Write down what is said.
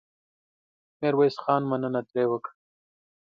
ميرويس خان مننه ترې وکړه.